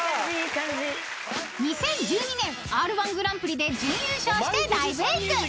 ［２０１２年Ｒ−１グランプリで準優勝して大ブレイク］